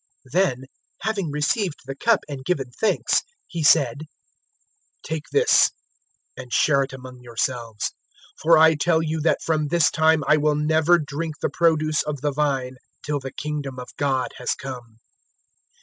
022:017 Then, having received the cup and given thanks, He said, "Take this and share it among yourselves; 022:018 for I tell you that from this time I will never drink the produce of the vine till the Kingdom of God has come."